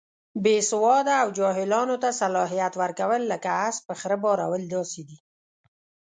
بې سواده او جاهلانو ته صلاحیت ورکول، لکه اس په خره بارول داسې دي.